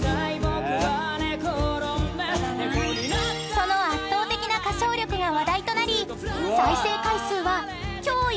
［その圧倒的な歌唱力が話題となり］